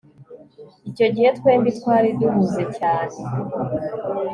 icyo gihe twembi twari duhuze cyane